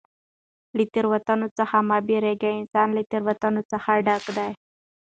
له تېروتنو څخه مه بېرېږه! انسان له تېروتنو څخه ډګ دئ.